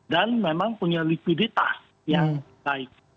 dan memang punya likuiditas yang baik